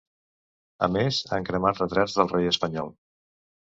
A més, han cremat retrats del rei espanyol.